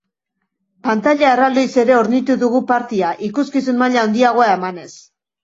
Pantaila erraldoiz ere hornitu dugu party-a, ikuskizun maila handiagoa emanez.